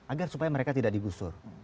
agar supaya mereka tidak digusur